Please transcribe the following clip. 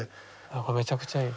めちゃくちゃいい。